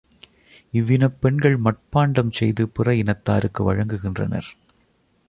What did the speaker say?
இவ்வினப் பெண்கள் மட்பாண்டம் செய்து பிற இனத்தாருக்கு வழங்குகின்றனர்.